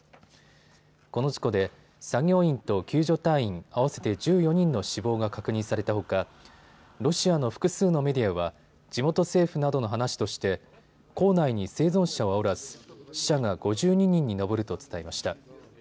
この事故で作業員救助隊員、合わせて１４人の死亡が確認されたほかロシアの複数のメディアは地元政府などの話として坑内に生存者はおらず死者が５２人に上ると伝えました。